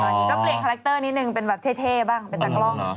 ก็เปลี่ยนคาแรคเตอร์นิดนึงเป็นแบบเท่บ้างเป็นตากล้อง